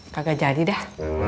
kagak jadi dah